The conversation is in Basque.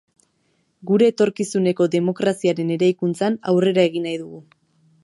Gure etorkizuneko demokraziaren eraikuntzan aurrera egin nahi dugu.